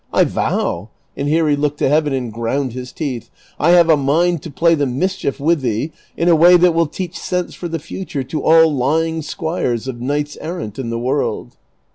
I vow " (and here he looked to heaven and ground his teeth) " I have a mind to play the mischief with thee, in a way that will teach sense for the future to all lying squires of knights errant in the world."